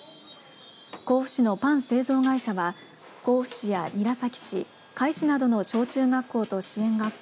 甲府市のパン製造会社は甲府市や韮崎市甲斐市などの小中学校と支援学校